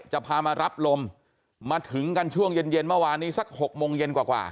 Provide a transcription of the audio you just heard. จะพามารับลมมาถึงกันช่วงเย็นเย็นเมื่อวานนี้สัก๖โมงเย็นกว่า